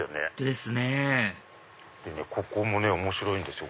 ですねぇここもね面白いんですよ。